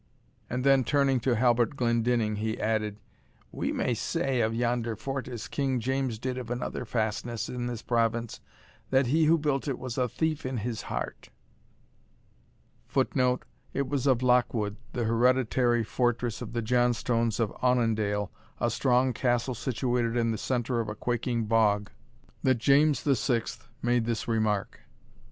_" and then, turning to Halbert Glendinning, he added, "We may say of yonder fort as King James did of another fastness in this province, that he who built it was a thief in his heart." [Footnote: It was of Lochwood, the hereditary fortress of the Johnstones of Aunandale, a strong castle situated in the centre of a quaking bog, that James VI. made this remark.